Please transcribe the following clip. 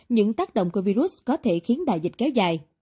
những tác động của virus có thể khiến đại dịch kéo dài